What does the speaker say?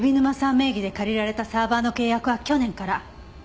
名義で借りられたサーバーの契約は去年から。